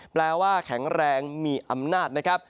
แปลว่าแข็งแรงมีอำนาจนะครับ